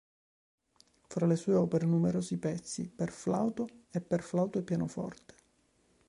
Fra le sue opere numerosi pezzi per flauto e per flauto e pianoforte.